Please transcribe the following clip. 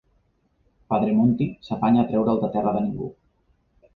Padre Monty s'afanya a treure'l de Terra de Ningú.